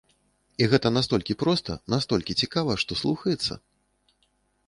І гэта настолькі проста, настолькі цікава, што слухаецца!